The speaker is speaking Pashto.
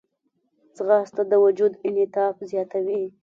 ځغاسته د وجود انعطاف زیاتوي